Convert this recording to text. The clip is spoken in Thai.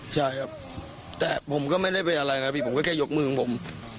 ใช่ครับแต่ผมก็ไม่ได้ไปอะไรนะผมก็ยกมือของผม